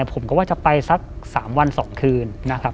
ผมก็ว่าจะไปสัก๓วัน๒คืนนะครับ